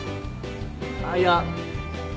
あっいや。